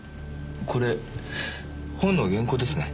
これ本の原稿ですね。